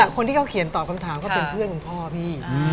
คนที่เขาเขียนตอบคำถามก็เป็นเพื่อนคุณพ่อพี่